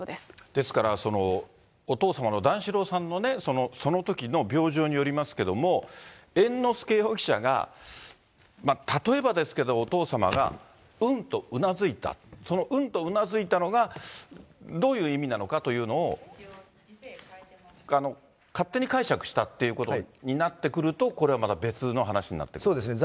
ですから、お父様の段四郎さんのね、そのときの病状によりますけれども、猿之助容疑者が、例えばですけど、お父様が、うんとうなずいた、その、うんとうなずいたのが、どういう意味なのかというのを、勝手に解釈したっていうことになってくると、そうですね。